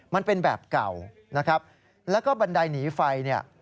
มันเป็นแบบเก่านะครับแล้วก็บันไดหนีไฟเนี่ย